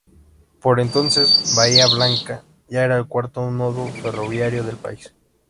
Por entonces Bahía Blanca ya era el cuarto nodo ferroviario del país.